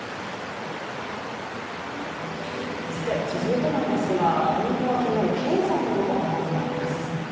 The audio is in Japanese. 続いては、今後が気になる経済の話題にまいります。